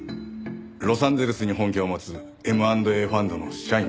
ロサンゼルスに本拠を持つＭ＆Ａファンドの社員です。